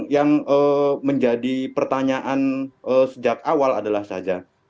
yang menjadi pertanyaan sejak awal adalah saja